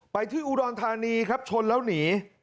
ไปที่อุดรธานีครับชนแล้วหนี